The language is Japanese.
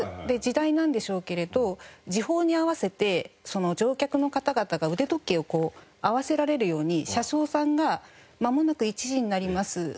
で時代なんでしょうけれど時報に合わせて乗客の方々が腕時計をこう合わせられるように車掌さんが「まもなく１時になります」